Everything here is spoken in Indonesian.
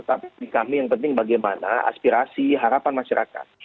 tapi kami yang penting bagaimana aspirasi harapan masyarakat